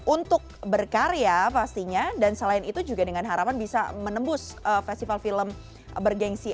untuk berkarya pastinya dan selain itu juga dengan harapan bisa menembus festival film bergensi